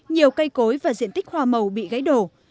nhiều cây cối và diện tích hoa màu bị gãy đổ